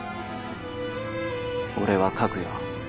俺は書くよ。